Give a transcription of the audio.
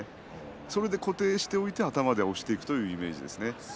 それで固定しておいて頭で押していくというイメージですね。